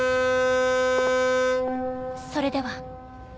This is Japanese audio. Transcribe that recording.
それでは。